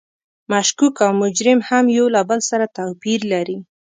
مشکوک او مجرم هم یو له بل سره توپیر لري.